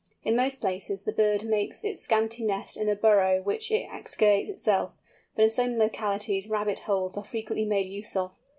In most places the bird makes its scanty nest in a burrow which it excavates itself, but in some localities rabbit holes are frequently made use of.